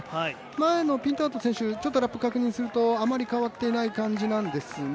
前のピンタード選手、ラップを確認するとあまり変わっていない感じなんですね。